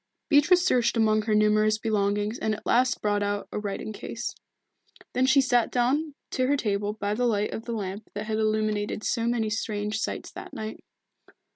Beatrice searched among her numerous belongings and at last brought out a writing case. Then she sat down to her table by the light of the lamp that had illuminated so many strange sights that night.